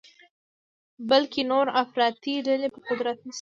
بلکې نورې افراطي ډلې به قدرت نیسي.